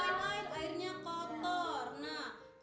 iya main main airnya kotor